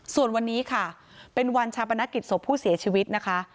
ส่วนวันนี้ค่ะเป็นวันชาปนกิจศพผู้เสียชีวิตนะคะ